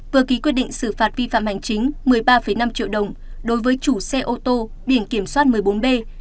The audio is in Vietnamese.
vừa ký quyết định xử phạt vi phạm hành chính một mươi ba năm triệu đồng đối với chủ xe ô tô biển kiểm soát một mươi bốn b bốn nghìn hai trăm bảy mươi tám